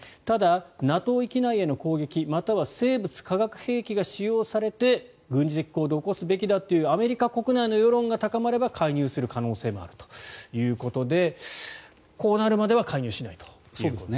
ただ、ＮＡＴＯ域内への攻撃または生物・化学兵器が使用されて軍事的行動を起こすべきだというアメリカ国内の世論が高まれば介入する可能性もあるということでこうなるまでは介入しないと。